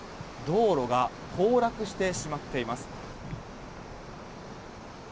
道路が崩落してしまっています。